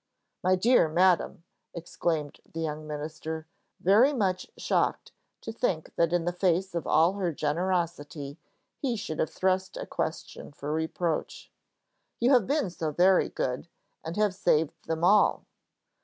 "My dear madam," exclaimed the young minister, very much shocked to think that in the face of all her generosity he should have thrust a question for reproach, "you have been so very good, and have saved them all."